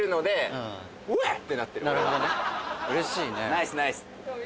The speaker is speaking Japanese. ナイスナイス。